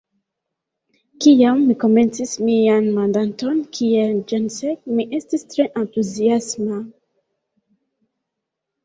Kiam mi komencis mian mandaton kiel ĜenSek, mi estis tre entuziasma.